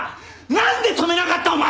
なんで止めなかったお前！